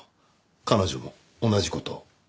彼女も同じ事を。